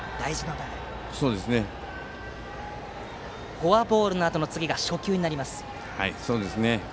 次は、フォアボールのあとの初球になります。